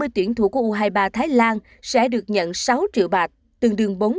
hai mươi tuyển thủ của u hai mươi ba thái lan sẽ được nhận sáu triệu bát tương đương bốn tỷ đồng